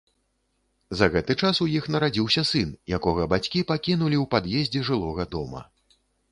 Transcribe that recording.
За гэты час у іх нарадзіўся сын, якога бацькі пакінулі ў пад'ездзе жылога дома.